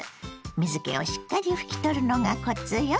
水けをしっかり拭き取るのがコツよ。